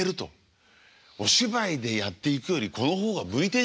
お芝居でやっていくよりこの方が向いてんじゃないか。